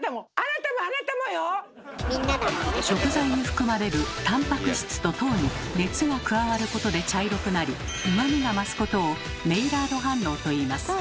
食材に含まれるタンパク質と糖に熱が加わることで茶色くなりうまみが増すことを「メイラード反応」と言います。